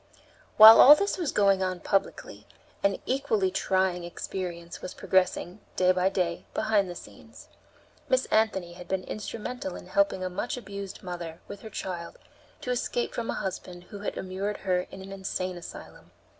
While all this was going on publicly, an equally trying experience was progressing, day by day, behind the scenes. Miss Anthony had been instrumental in helping a much abused mother, with her child, to escape from a husband who had immured her in an insane asylum.